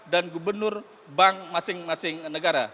dan gubernur bank masing masing negara